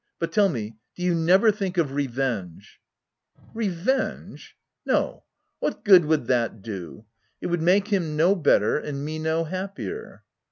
But tell me, do you never think of revenge ?"" Revenge ! No — what good would that do — it would make him no better, and me no happier